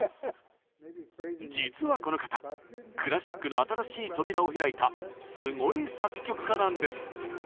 実はこの方クラシックの新しい扉を開いたすごい作曲家なんです！